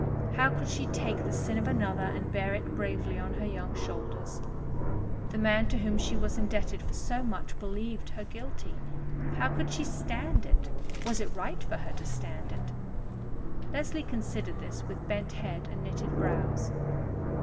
How could she take the sin of another and bear it bravely on her young shoulders? The man to whom she was indebted for so much believed her guilty. How could she stand it? Was it right for her to stand it? Leslie considered this with bent head and knitted brows.